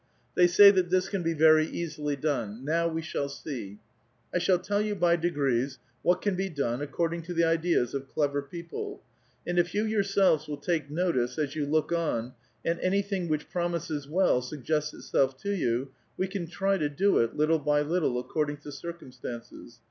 They say that this can be very easily done. Now, ^^ ^hall see. I shall tell you, by degrees, what can be done, according to the ideas of clever people; and if you your ^^*Ves will take notice, as you look on, and anything which Fotojggg ^g|| suggests itself to you, we can try to do it, "I'tle by little, according to circumstances.